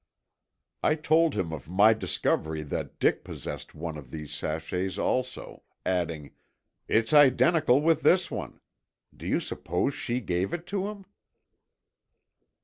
I told him of my discovery that Dick possessed one of these sachets also, adding, "It's identical with this one. Do you suppose she gave it to him?"